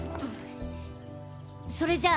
それじゃあ。